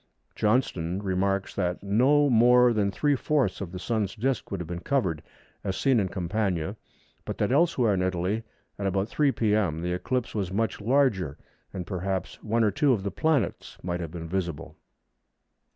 Johnston remarks that no more than three fourths of the Sun's disc would have been covered, as seen in Campania, but that elsewhere in Italy, at about 3 p.m., the eclipse was much larger, and perhaps one or two of the planets might have been visible.